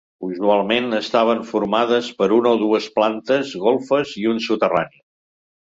Usualment, estaven formades per una o dues plantes, golfes i un soterrani.